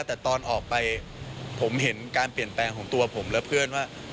แต่ตอนออกไปผมเห็นการเปลี่ยนแปลงของตัวผมและเพื่อนว่า